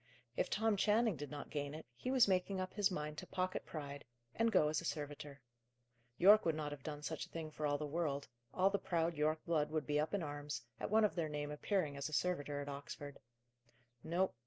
If Tom Channing did not gain it, he was making up his mind to pocket pride, and go as a servitor. Yorke would not have done such a thing for the world; all the proud Yorke blood would be up in arms, at one of their name appearing as a servitor at Oxford. No.